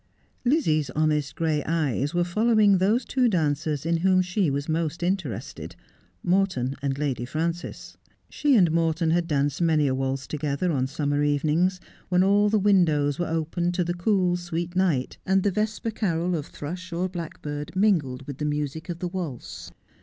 Lizzie's honest gray eyes were following those two dancers in whom she was most interested, Morton and Lady Frances. She and Morton had danced many a waltz together on summer even ings, when all the windows were open to the cool, sweet night, and the vesper carol of thrush or blackbird mingled with the music of the waltz.